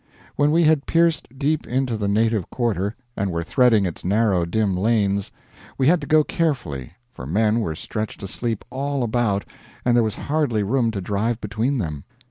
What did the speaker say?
When we had pierced deep into the native quarter and were threading its narrow dim lanes, we had to go carefully, for men were stretched asleep all about and there was hardly room to drive between them.